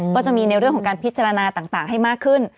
ก็จะมีในเรื่องของการพิจารณาต่างให้มากขึ้น